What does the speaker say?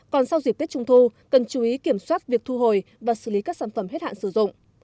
còn sau dịp tết trung thu cần chú ý kiểm soát việc thu hồi và xử lý các sản phẩm hết hạn sử dụng